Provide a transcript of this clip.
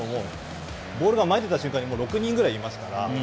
ボールが前に出た瞬間６人くらい、いますから。